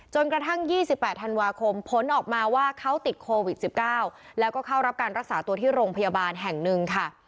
จนกระทั่ง๒๘ธันวาคมผลออกมาว่าเขาติดโควิด๑๙แล้วก็เข้ารับการรักษาตัวที่โรงพยาบาลแห่งหนึ่งค่ะ